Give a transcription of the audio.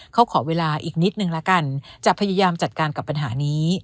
เขาขอเวลาอีกนิดนึงละกันจะพยายามจัดการกับปัญหานี้